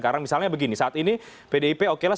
karena misalnya begini saat ini pdip oke lah